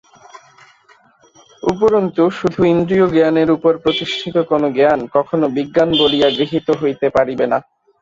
উপরন্তু শুধু ইন্দ্রিয়জ্ঞানের উপর প্রতিষ্ঠিত কোন জ্ঞান কখনও বিজ্ঞান বলিয়া গৃহীত হইতে পারিবে না।